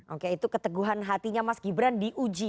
oke itu keteguhan hatinya mas gibran diuji